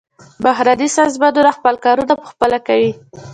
بهرني سازمانونه خپل کارونه پخپله کوي.